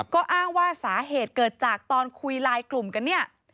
ก็อ้างว่าสาเหตุเกิดจากตอนคุยไลน์กลุ่มกันเนี่ย